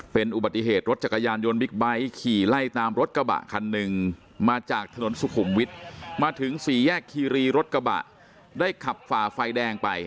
เป็นอุบัติเหตุรถจักรยานยนต์บิ๊กไบท์ขี่ไล่ตามรถกระบะคันหนึ่งมาจากถนนสุขุมวิทย์มาถึงสี่แยกคีรีรถกระบะได้ขับฝ่าไฟแดงไป